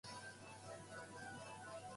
猫より犬派です